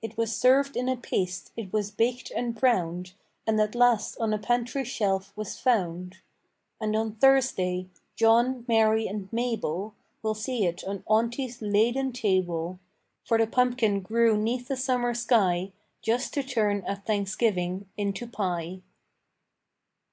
It was served in a paste, it was baked and browned, And at last on a pantry shelf was found. And on Thursday John, Mary, and Mabel Will see it on aunty's laden table. For the pumpkin grew 'neath a summer sky Just to turn at Thanksgiving into pie!